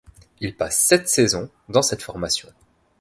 Il passe sept saison dans cette formation.